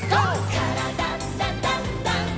「からだダンダンダン」